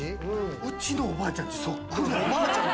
うちのおばあちゃんち、そっくりや。